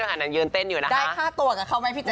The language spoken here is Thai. ได้ค่าตรวจกันเข้าไหมพี่แจ๊ป